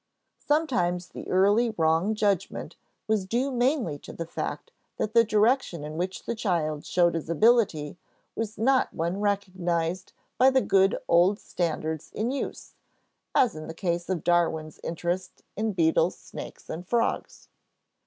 Sometimes the early wrong judgment was due mainly to the fact that the direction in which the child showed his ability was not one recognized by the good old standards in use, as in the case of Darwin's interest in beetles, snakes, and frogs.